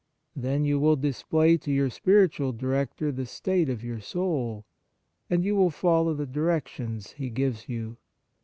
Then you will display to your spiritual director the state of your soul, and you will follow the direc tions he gives you.